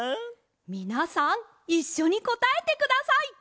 みなさんいっしょにこたえてください。